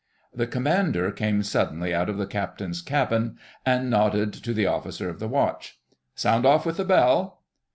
The Commander came suddenly out of the Captain's cabin and nodded to the Officer of the Watch. "Sound off with the bell."